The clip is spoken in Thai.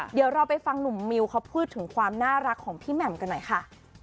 เดี๋ยวเราไปฟังหนุ่มมิวเขาพูดถึงความน่ารักของพี่แหม่มกันหน่อยค่ะ